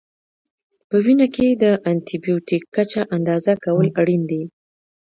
په وینه کې د انټي بیوټیک کچه اندازه کول اړین دي.